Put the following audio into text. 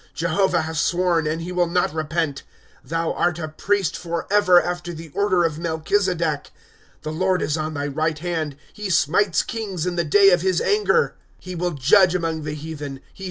* Jehovah has sworn, and he will not repent : Thou art a priest forever, after the order of Melchizedek. ^ The Lord is on thy right hand ; He smites kings in the day of his anger. V. 31. Od the right hand.